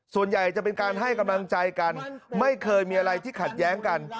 ส่วนใหญ่จะเป็นการให้กำลังใจกันไม่เคยมีอะไรที่ขัดแย้งกัน